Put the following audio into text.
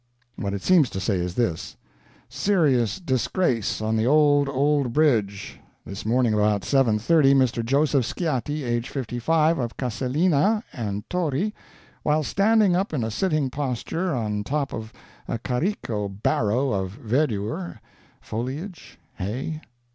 What it seems to say is this: "Serious Disgrace on the Old Old Bridge. This morning about 7.30, Mr. Joseph Sciatti, aged 55, of Casellina and Torri, while standing up in a sitting posture on top of a carico barrow of vedure (foliage? hay?